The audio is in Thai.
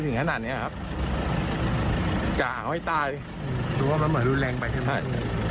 เขากะตรงใจเลยพ่อเนี่ย